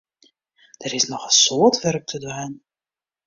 Der is noch in soad wurk te dwaan.